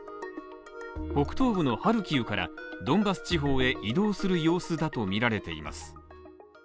北東部のハルキウからドンバス地方へ移動する様子だとみられています。